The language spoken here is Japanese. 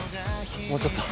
もうちょっと！